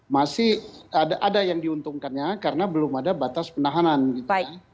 masih ada yang diuntungkannya karena belum ada batas penahanan gitu ya